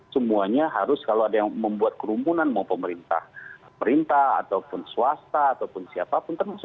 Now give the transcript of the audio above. semuanya harus kalau ada yang membuat kerumunan mau pemerintah pemerintah ataupun swasta ataupun siapapun termasuk